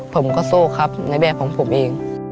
ผมก็สู้ครับในแบบของผมเอง